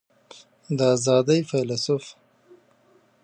د آزادۍ فیلیسوف